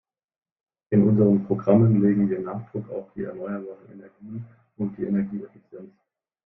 In unseren Programmen legen wir Nachdruck auf die erneuerbaren Energien und die Energieeffizienz.